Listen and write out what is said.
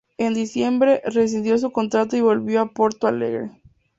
En diciembre, rescindió su contrato y volvió a Porto Alegre.